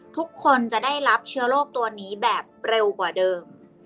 ทุกคนจะได้รับเชื้อโรคตัวนี้แบบเร็วกว่าเดิม